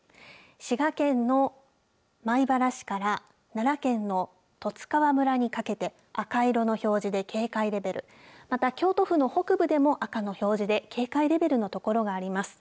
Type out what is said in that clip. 滋賀県の米原市から奈良県の十津川村にかけて赤色の表示で警戒レベルまた京都府の北部でも赤の表示で警戒レベルのところがあります。